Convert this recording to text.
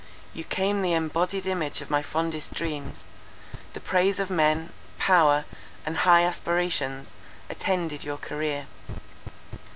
You came the embodied image of my fondest dreams. The praise of men, power and high aspirations attended your career.